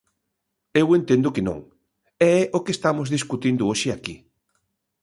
Eu entendo que non, e é o que estamos discutindo hoxe aquí.